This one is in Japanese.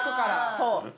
そう。